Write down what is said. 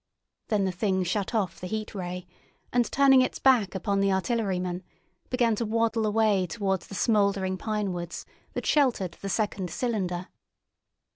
Then the Thing shut off the Heat Ray, and turning its back upon the artilleryman, began to waddle away towards the smouldering pine woods that sheltered the second cylinder.